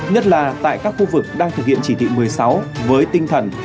nhất là tại các khu vực đang thực hiện chỉ thị một mươi sáu với tinh thần